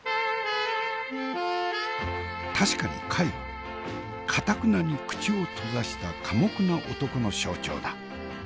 確かに貝はかたくなに口を閉ざした寡黙な男の象徴だ。